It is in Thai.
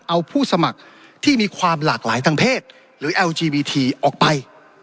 เอาผู้สมัครที่มีความหลากหลายทางเพศหรือเอลจีวีทีออกไป